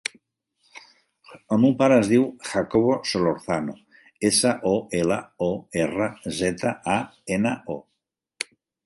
El meu pare es diu Jacobo Solorzano: essa, o, ela, o, erra, zeta, a, ena, o.